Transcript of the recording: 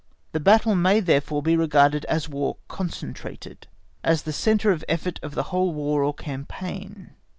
The battle may therefore be regarded as War concentrated, as the centre of effort of the whole War or campaign.